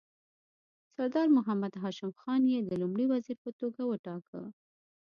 سردار محمد هاشم خان یې د لومړي وزیر په توګه وټاکه.